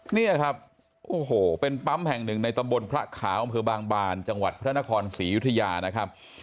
เนี่ยครับโอ้โหเป็นปั๊มแห่งหนึ่งในตำบลพระขาวอำเภอบางบานจังหวัดพระนครศรียุธยานะครับ